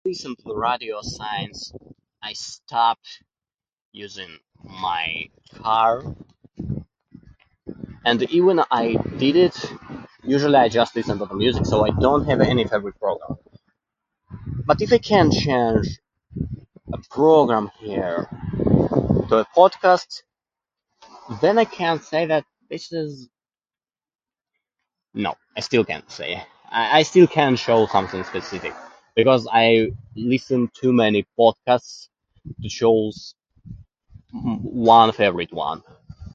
-listen to the radio since I stopped using my car. And even I did it usually I just listen to the music so I don't have any type of program. But If if I can change a program here, the podcast, then I can say that this is... No, I still can't say. I I still can't chose something specific, because I listen too many podcasts to chose one favorite one.